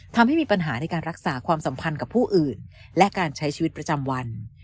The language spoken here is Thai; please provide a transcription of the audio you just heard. ทำให้มีปัญหาในการรักษาความสัมพันธ์กับผู้อื่นและการใช้ชีวิตประจำวัน